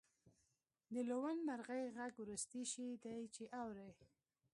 د لوون مرغۍ غږ وروستی شی دی چې اورئ